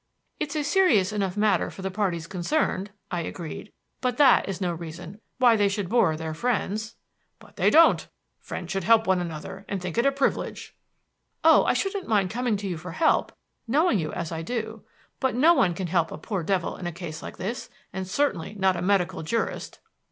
"It's a serious enough matter for the parties concerned," I agreed; "but that is no reason why they should bore their friends." "But they don't. Friends should help one another and think it a privilege." "Oh, I shouldn't mind coming to you for help, knowing you as I do. But no one can help a poor devil in a case like this and certainly not a medical jurist."